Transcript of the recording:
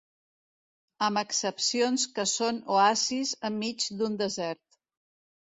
Amb excepcions que són oasis enmig d’un desert.